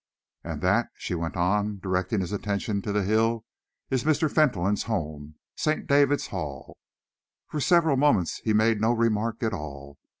"And that," she went on, directing his attention to the hill, "is Mr. Fentolin's home, St. David's Hall." For several moments he made no remark at all.